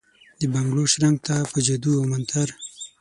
دبنګړو شرنګ ته ، په جادو اومنتر ،